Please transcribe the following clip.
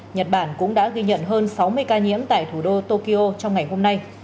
nhật bản cũng đã ghi nhận hơn sáu mươi ca nhiễm tại thủ đô tokyo trong ngày hôm nay